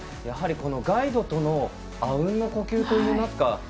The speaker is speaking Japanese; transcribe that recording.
やはりガイドとのあうんの呼吸といいますか。